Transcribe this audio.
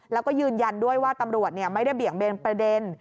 แล้วก็ยืนยันด้วยว่าตำรวจไม่ได้เบี่ยงเบนประเด็น